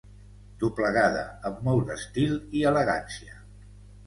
Doblegada amb molt d'estil i elegància.